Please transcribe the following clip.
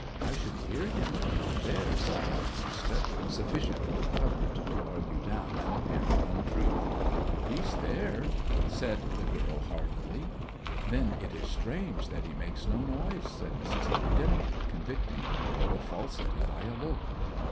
I should hear him if he were there,' said Baptista, sufficiently recovered to argue down an apparent untruth. 'He's there,' said the girl, hardily. 'Then it is strange that he makes no noise,' said Mrs. Heddegan, convicting the girl of falsity by a look.